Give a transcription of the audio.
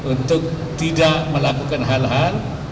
untuk tidak melakukan hal hal